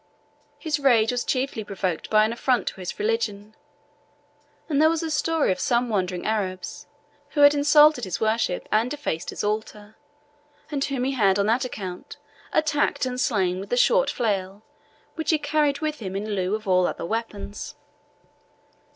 His rage was chiefly provoked by any affront to his religion; and there was a story of some wandering Arabs, who had insulted his worship and defaced his altar, and whom he had on that account attacked and slain with the short flail which he carried with him in lieu of all other weapons.